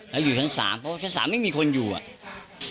แล้วอยู่ชั้น๓เพราะว่าชั้น๓ไม่มีคนอยู่อ่ะ